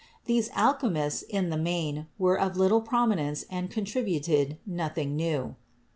These alchemists, in the main, were of little prominence and contributed nothing new.